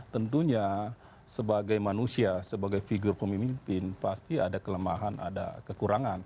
tentunya sebagai manusia sebagai figur pemimpin pasti ada kelemahan ada kekurangan